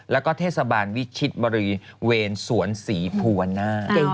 แล้วก็เทศบาลวิชิตบริเวณเวรสวนศรีภูวนาศ